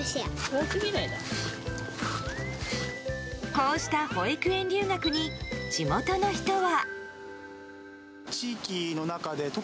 こうした保育園留学に地元の人は。